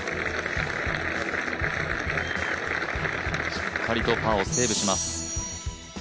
しっかりとパーをセーブします。